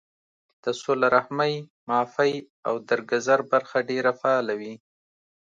د صله رحمۍ ، معافۍ او درګذر برخه ډېره فعاله وي